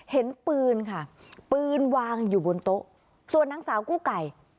เห็นปืนค่ะปืนวางอยู่บนโต๊ะส่วนนางสาวกู้ไก่